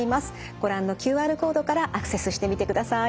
ご覧のＱＲコードからアクセスしてみてください。